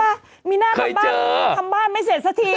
เคยเจอมีหน้าทำบ้านไม่เสร็จสักที